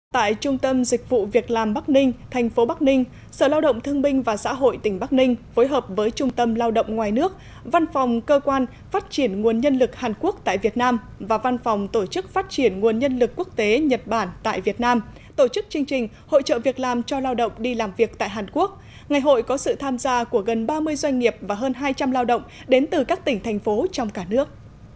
tại trung tâm dịch vụ việc làm bắc ninh thành phố bắc ninh sở lao động thương minh và xã hội tỉnh bắc ninh phối hợp với trung tâm lao động ngoài nước văn phòng cơ quan phát triển nguồn nhân lực hàn quốc tại việt nam và văn phòng tổ chức phát triển nguồn nhân lực quốc tế nhật bản tại việt nam tổ chức chương trình hội trợ việc làm cho lao động đi làm việc tại hàn quốc ngày hội có sự tham gia của gần ba mươi doanh nghiệp và hơn hai trăm linh lao động đến từ các tỉnh thành phố trong cả nước